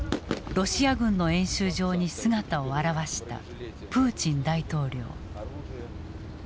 ロシア軍の演習場に姿を現したプーチン大統領。